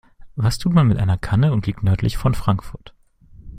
Was tut man mit einer Kanne und liegt nördlich von Frankfurt?